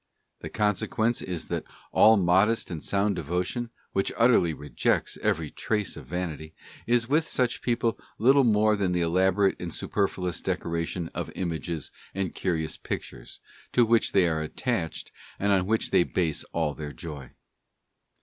The consequence is that all modest and sound devotion, which utterly rejects every trace of vanity, is with such people little more than the elaborate and superfluous decoration of images and curious pictures, to which they are attached and on which they base all their joy.